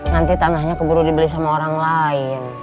nanti tanahnya keburu dibeli sama orang lain